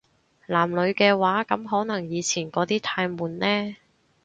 男女嘅話，噉可能以前嗰啲太悶呢